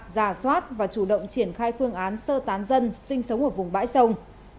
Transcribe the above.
giả soát và chủ động triển khai phương án sơ tán dân sinh sống ở vùng bãi sông